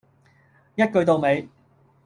一句到尾